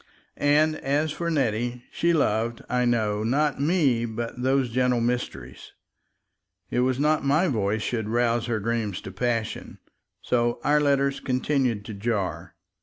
And as for Nettie, she loved, I know, not me but those gentle mysteries. It was not my voice should rouse her dreams to passion. .. So our letters continued to jar.